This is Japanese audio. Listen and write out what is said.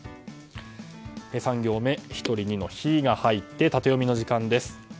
３行目ひとりの「ヒ」が入ってタテヨミの時間です。